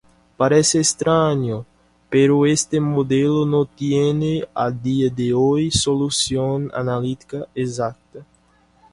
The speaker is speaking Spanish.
Parece extraño, pero este modelo no tiene a día de hoy solución analítica exacta.